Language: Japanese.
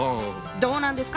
どうなんですか？